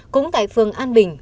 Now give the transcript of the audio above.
cũng tại phường an bình